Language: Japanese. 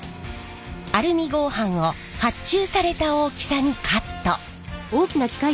アルミ合板を発注された大きさにカット。